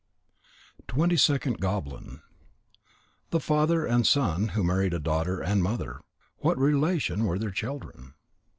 TWENTY SECOND GOBLIN _The Father and Son who married Daughter and Mother. What relation were their children?